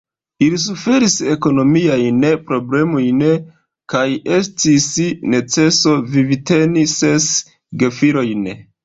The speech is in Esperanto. Ili suferis ekonomiajn problemojn, kaj estis neceso vivteni ses gefilojn.